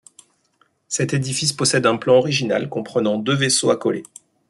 Cet édifice possède un plan original, comprenant deux vaisseaux accolés.